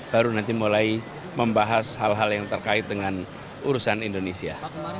baru nanti mulai membahas hal hal yang terkait dengan urusan indonesia